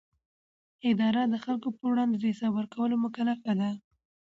اداره د خلکو پر وړاندې د حساب ورکولو مکلفه ده.